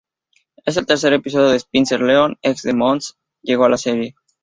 En el tercer episodio Spencer León, ex de Montse llego a la serie.